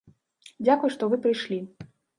Дзякуй, што вы прыйшлі.